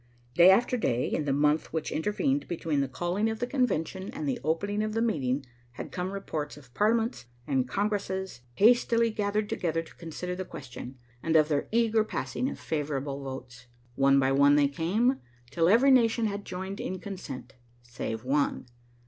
Day after day, in the month which intervened between the calling of the convention and the opening of the meeting, had come reports of parliaments and congresses hastily gathered together to consider the question, and of their eager passing of favorable votes. One by one they came, till every nation had joined in consent, save one.